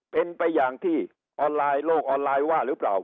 เป็นไปอย่างที่ออนไลน์โลกออนไลน์ว่าหรือเปล่า